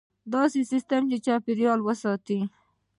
داسې سیستم چې چاپیریال وساتي.